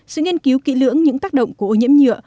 sự nghiên cứu kỹ lưỡng những tác động của ô nhiễm nhựa